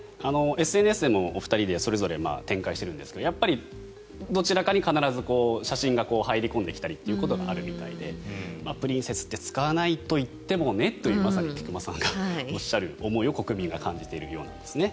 ＳＮＳもお二人でそれぞれ展開しているんですがやっぱりどちらかに必ず写真が入り込んできたりということがあるみたいでプリンセスって使わないといってもねとまさに菊間さんがおっしゃる思いを国民は感じているようなんですね。